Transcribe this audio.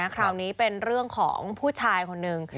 คราวนี้เป็นเรื่องของผู้ชายคนหนึ่ง